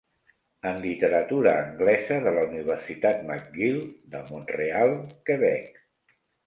en literatura anglesa de la Universitat McGill de Mont-real, Quebec.